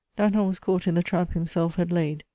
Danton was caught in the trap himself had laid.